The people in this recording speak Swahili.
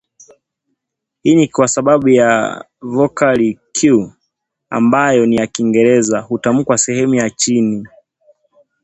Hii ni kwa sababu vokali "Q" ambayo ni ya Kiingereza hutamkwa sehemu ya chini